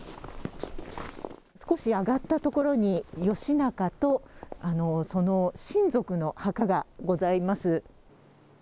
少し上がったところに、義仲とその親族の墓がございます。